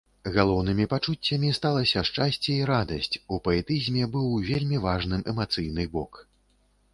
Галоўнымі пачуццямі сталася шчасце і радасць, у паэтызме быў вельмі важным эмацыйны бок.